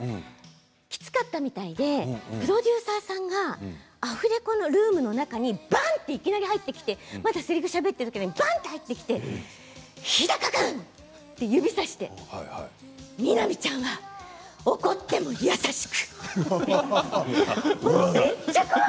その怒り方はきつかったみたいでプロデューサーさんがアフレコルームの中にばんといきなり入ってきてまだせりふをしゃべってる時にいきなり入ってきて日高君って指を指して南ちゃんは怒っても優しく！